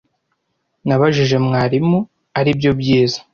Nabajije mwarimu aribyo byiza.